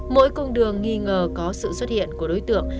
mỗi cung đường nghi ngờ có sự xuất hiện của đối tượng